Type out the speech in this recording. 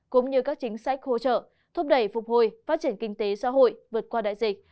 cũng như các chính sách hỗ trợ thúc đẩy phục hồi phát triển kinh tế xã hội vượt qua đại dịch